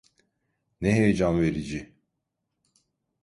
Ne heyecan verici.